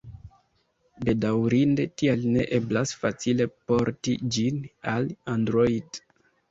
Bedaŭrinde tial ne eblas facile "porti" ĝin al Android.